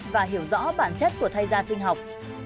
và hiểu rõ bản chất của thay da sinh học